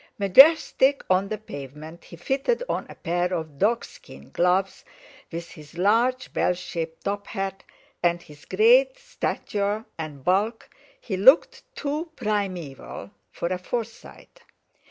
Majestic on the pavement he fitted on a pair of dog skin gloves; with his large bell shaped top hat, and his great stature and bulk he looked too primeval for a Forsyte.